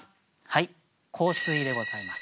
はい「香水」でございます。